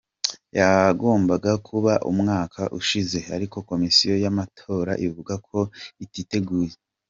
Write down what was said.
Yagombaga kuba umwaka ushize ariko Komisiyo y’amatora ivuga ko ititeguye.